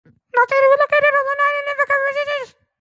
No stations were located on the line and it never carried passengers.